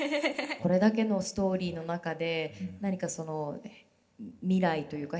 これだけのストーリーの中で何かその未来というか平和の象徴でもある